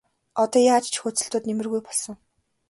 Одоо яаж ч хөөцөлдөөд нэмэргүй болсон.